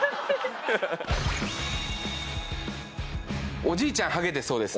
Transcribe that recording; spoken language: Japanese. おじいちゃんハゲてそうですね。